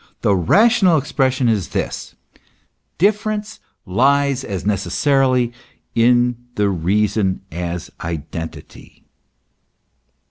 The rational expression is this : Difference lies as necessarily in the reason as identity.